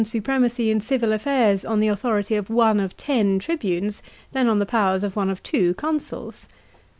supremacy in civil affairs on the authority of one of ten tribunes than on the powers of one of two consuls.